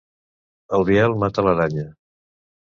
El Biel mata l'aranya.